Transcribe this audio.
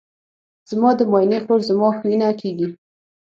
زما د ماینې خور زما خوښینه کیږي.